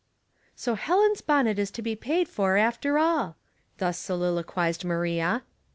" So Helen's bonnet is paid for after all," thus soliloquized Maria.